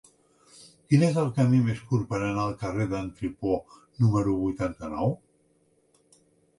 Quin és el camí més curt per anar al carrer d'en Tripó número vuitanta-nou?